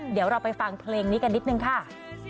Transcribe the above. เดี๋ยวเราไปฟังเพลงนี้กันนิดนึงค่ะ